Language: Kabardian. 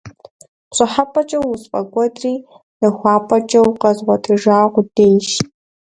ПщӀыхьэпӀэкӀэ усфӀэкӀуэдри, нахуапӀэкӀэ укъэзгъуэтыжа къудейщ…